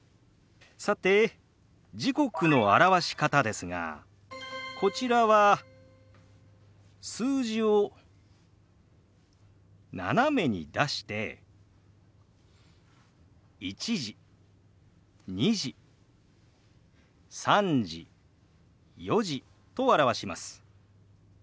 さて時刻の表し方ですがこちらは数字を斜めに出して「１時」「２時」「３時」「４時」と表します。